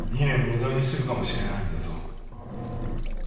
２年無駄にするかもしれないんだぞ